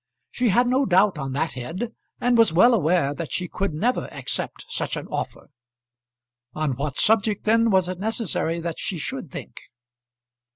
She had no doubt on that head, and was well aware that she could never accept such an offer. On what subject then was it necessary that she should think?